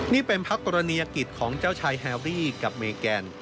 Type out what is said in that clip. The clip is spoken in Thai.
นี่เป็นพักกรณียกิจของเจ้าชายแฮรี่กับเมแกน